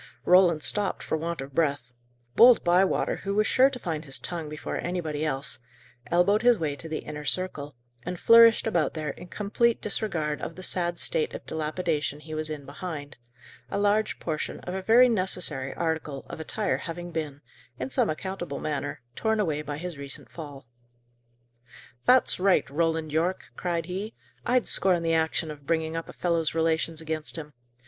Roland stopped for want of breath. Bold Bywater, who was sure to find his tongue before anybody else, elbowed his way to the inner circle, and flourished about there, in complete disregard of the sad state of dilapidation he was in behind; a large portion of a very necessary article of attire having been, in some unaccountable manner, torn away by his recent fall. "That's right, Roland Yorke!" cried he. "I'd scorn the action of bringing up a fellow's relations against him.